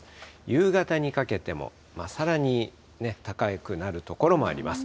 夕方にかけても、さらに高くなる所もあります。